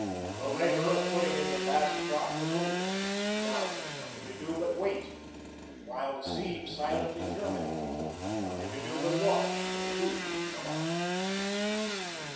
The labour of putting in the vast crop was over. Now there was nothing to do but wait, while the seed silently germinated; nothing to do but watch for the wheat to come up.